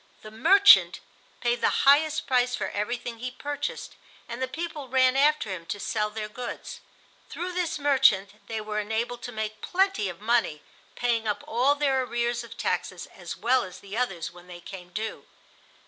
The "merchant" paid the highest price for everything he purchased, and the people ran after him to sell their goods. Through this "merchant" they were enabled to make plenty of money, paying up all their arrears of taxes as well as the others when they came due.